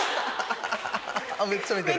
めっちゃ見てる！